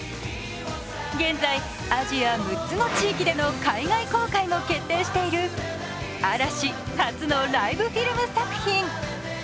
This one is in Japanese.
現在、アジア６つの地域での海外公開も決定している嵐初のライブフィルム作品。